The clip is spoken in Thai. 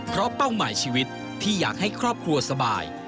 เพราะเป้าหมายชีวิตที่อยากให้ครอบครัวสบาย